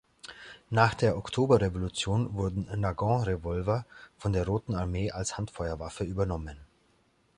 Nach der Oktoberrevolution wurden Nagant-Revolver von der Roten Armee als Handfeuerwaffe übernommen.